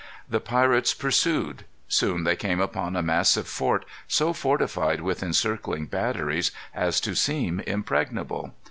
The pirates pursued. Soon they came upon a massive fort so fortified with encircling batteries as to seem impregnable.